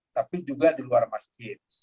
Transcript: tapi juga di luar masjid